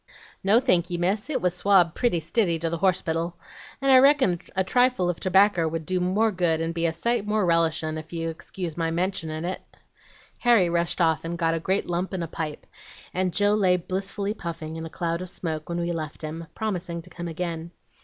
"'No, thanky, miss, it was swabbed pretty stiddy to the horsepittle, and I reckon a trifle of tobaccer would do more good and be a sight more relishin', ef you'll excuse my mentionin' it.' "Harry rushed off and got a great lump and a pipe, and Joe lay blissfully puffing, in a cloud of smoke, when we left him, promising to come again.